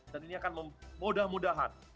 dan ini akan memudah mudahan